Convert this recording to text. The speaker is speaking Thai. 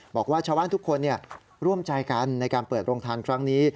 บอกว่าชาวบ้านทุกคนร่วมใจกันในการเปิดโรงทานครั้งนี้